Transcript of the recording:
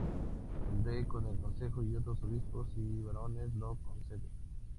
El Rey con el consejo y otros Obispos y barones lo concede.